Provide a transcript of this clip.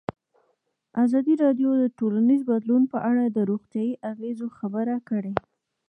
ازادي راډیو د ټولنیز بدلون په اړه د روغتیایي اغېزو خبره کړې.